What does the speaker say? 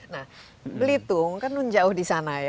nah belitung kan nunjauh di sana ya